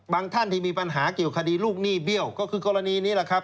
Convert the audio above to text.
ท่านที่มีปัญหาเกี่ยวคดีลูกหนี้เบี้ยวก็คือกรณีนี้แหละครับ